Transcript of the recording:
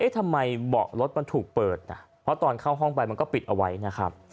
ทำไมเบาะรถมันถูกเปิดเพราะตอนเข้าห้องไปมันก็ปิดเอาไว้นะครับ